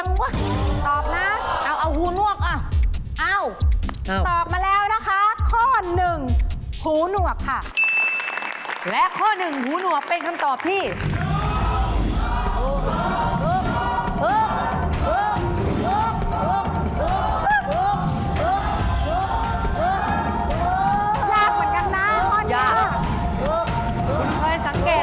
ยากเหมือนกันนะข้อหนึ่งค่ะคุณค่อยสังเกตหรือเป้าหมดสุดนักของเขาคือถูกมั้ย